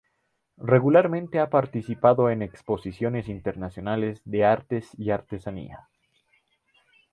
Regularmente ha participado en exposiciones internacionales, de artes y artesanía.